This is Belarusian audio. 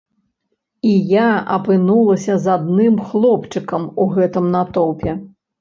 І я апынулася з адным хлопчыкам у гэтым натоўпе.